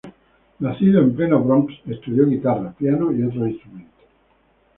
Nacido en pleno Bronx, estudió guitarra, piano y otros instrumentos.